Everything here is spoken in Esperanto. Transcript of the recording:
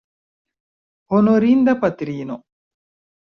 Honorinda patrino!